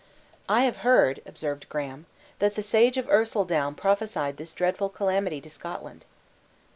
"I have heard," observed Graham, "that the sage of Ercildown prophesied this dreadful calamity to Scotland."